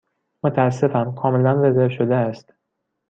متأسفم، کاملا رزرو شده است.